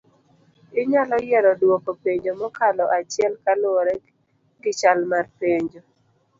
Inyalo yiero duoko penjo mokalo achiel kaluore gichal mar penjo